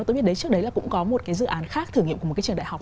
trước đấy là cũng có một cái dự án khác thử nghiệm của một trường đại học